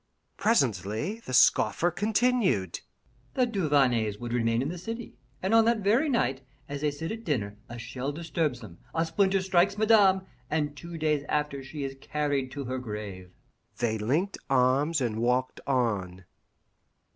Presently the scoffer continued: "The Duvarneys would remain in the city, and on that very night, as they sit at dinner, a shell disturbs them, a splinter strikes Madame, and two days after she is carried to her grave." They linked arms and walked on.